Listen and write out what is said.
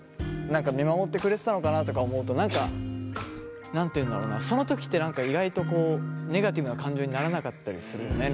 何か見守ってくれてたのかなとか思うと何か何て言うんだろうなその時って意外とネガティブな感情にならなかったりするよね。